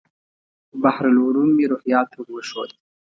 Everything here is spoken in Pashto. بحر العلوم مې روهیال ته ور وښود.